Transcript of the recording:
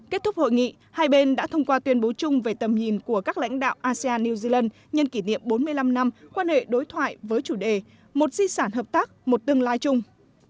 kết thúc hội nghị hai bên đã thông qua tuyên bố chung về tầm nhìn của các lãnh đạo asean new zealand nhân kỷ niệm bốn mươi năm năm quan hệ đối thoại với chủ đề một di sản hợp tác một tương lai chung